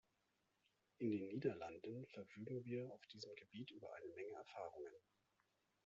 In den Niederlanden verfügen wir auf diesem Gebiet über eine Menge Erfahrungen.